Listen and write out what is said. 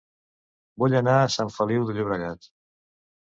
Vull anar a Sant Feliu de Llobregat